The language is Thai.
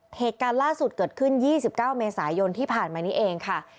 เหตุการณ์ล่าสุดเกิดขึ้น๒๙เมษายนที่ผ่านมานี้เองค่ะ